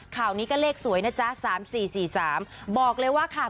ข่าวนี้ก็เลขสวยนะจ๊ะสามสี่สี่สามบอกเลยว่าค่ะ